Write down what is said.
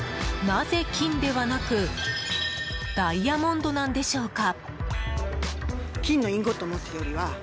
なぜ、金ではなくダイヤモンドなんでしょうか？